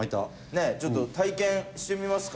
ねえちょっと体験してみますか？